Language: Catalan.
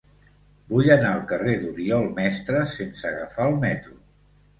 Vull anar al carrer d'Oriol Mestres sense agafar el metro.